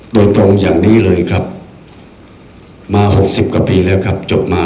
โดยตรงอย่างนี้เลยครับมา๖๐กว่าปีแล้วครับจบมา